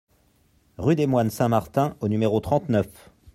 Rue des Moines Saint-Martin au numéro trente-neuf